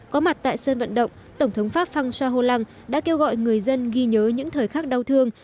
có mặt tại sân vận động tổng thống pháp phan xoa hồ lăng đã kêu gọi người dân ghi nhớ những thời khắc đau thương